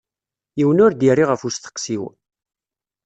Yiwen ur d-yerri ɣef usteqsi-w.